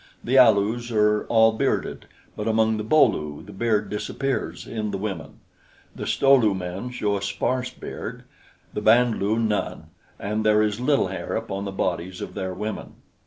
The Alus are all bearded, but among the Bo lu the beard disappears in the women. The Sto lu men show a sparse beard, the Band lu none; and there is little hair upon the bodies of their women.